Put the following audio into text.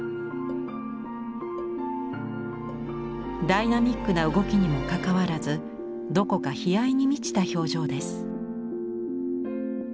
ダイナミックな動きにもかかわらずどこか悲哀に満ちた表情です。